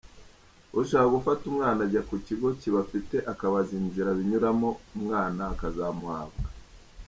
Ushaka gufata umwana ajya ku kigo kibafite akabaza inzira binyuramo umwana ukazamuhabwa.